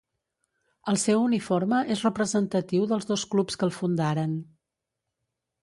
El seu uniforme és representatiu dels dos clubs que el fundaren.